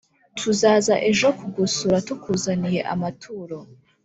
tuzaza ejo kugusura tukuzaniye amaturo